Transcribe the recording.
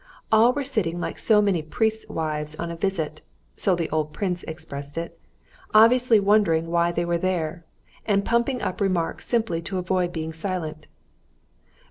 All were sitting like so many priests' wives on a visit (so the old prince expressed it), obviously wondering why they were there, and pumping up remarks simply to avoid being silent.